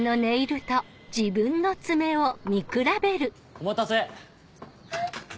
・お持たせ！